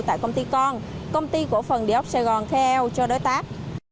tại công ty con công ty cổ phận điện ốc sài gòn kheo cho đối tác